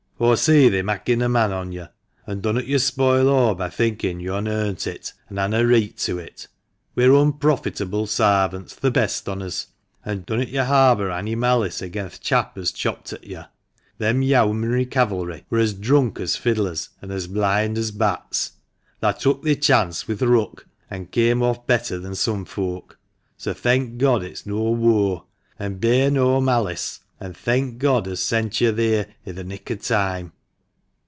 Aw see they're makkin' a man on yo', an' dunnot yo' spoil o' by thinldn' yo' han earnt it, an' han a reet to it. We're unprofitable sarvants, th' best on us. An' dunnot yo' harbour anny malice agen th' chap as chopped at yo'. Them Yowmanry Calvary wur as drunk as fiddlers, an' as blind as bats. Thah tuk* thi chance wi' the ruck, an' came off better than some folk. So thenk God it's no waur, an' bear no malice ; an' thenk God as sent yo' theer i' the nick o' time."